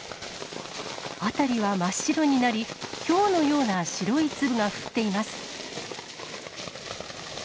辺りは真っ白になり、ひょうのような白い粒が降っています。